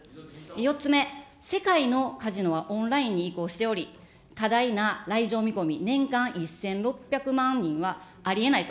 ４つ目、世界のカジノはオンラインに移行しており、多大の来場見込み、年間１６００万人はありえないと。